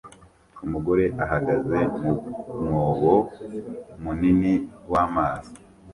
Umugore ahagaze mu mwobo munini w'amazi